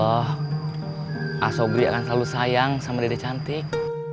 oh asobri akan selalu sayang sama dede cantik